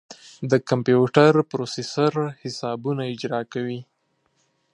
د کمپیوټر پروسیسر حسابونه اجرا کوي.